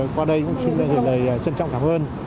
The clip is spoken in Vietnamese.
qua đây chúng tôi cũng xin lời trân trọng cảm ơn